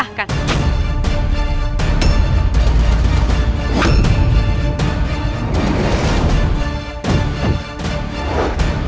udang yang memperoleh